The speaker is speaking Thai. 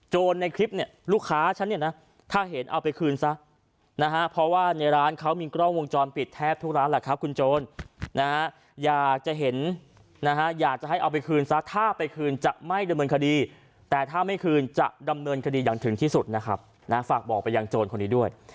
ในคลิปเนี่ยลูกค้าฉันเนี่ยนะถ้าเห็นเอาไปคืนซะนะฮะเพราะว่าในร้านเขามีกล้องวงจรปิดแทบทุกร้านแหละครับคุณโจรนะฮะอยากจะเห็นนะฮะอยากจะให้เอาไปคืนซะถ้าไปคืนจะไม่ดำเนินคดีแต่ถ้าไม่คืนจะดำเนินคดีอย่างถึงที่สุดนะครับนะฝากบอกไปยังโจรคนนี้ด้วย